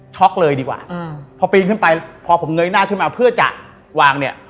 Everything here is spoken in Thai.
เลยดีกว่าอืมพอปีนขึ้นไปพอผมเงยหน้าขึ้นมาเพื่อจะวางเนี่ย